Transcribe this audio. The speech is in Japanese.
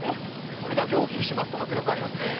これだけ大きくしますと迫力ありますね。